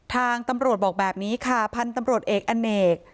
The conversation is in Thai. ทางตำรวจบอกแบบนี้ค่ะพันธุ์ตำรวจเอกอเนก